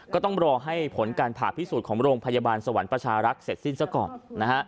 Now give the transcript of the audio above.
ก็ต้องรอให้ผลการผ่าพิสูจน์ของโรงพยาบาลสวรรค์ประชารักษ์เสร็จสิ้นซะก่อนนะฮะ